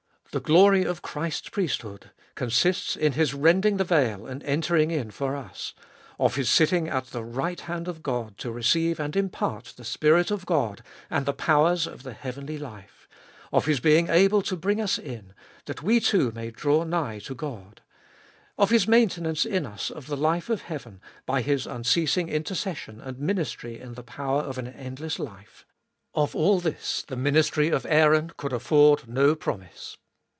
The glory of Christ's priesthood consists in His rending the veil and entering in for us : of His sitting at the right hand of God to receive and impart the Spirit of God and the powers of the heavenly life ; of His being able to bring us in, that we too may draw nigh to God ; of His maintenance in us of the life of heaven by His unceasing intercession and ministry in the power of an endless life ; of all this the ministry of Aaron could afford no promise.